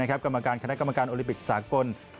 กรรมการคณะกรกฎาคมโอลิมปิกสากล